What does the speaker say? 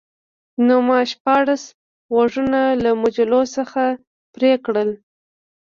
نو ما شپاړس غوږونه له مجلو څخه پرې کړل